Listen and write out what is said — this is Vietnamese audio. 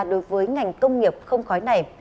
đối với ngành công nghiệp không khói này